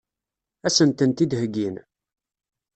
Ad sen-tent-id-heggin?